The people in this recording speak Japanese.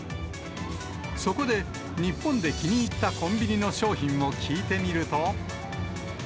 そこで、日本で気に入ったコンビニの商品を聞いてみると。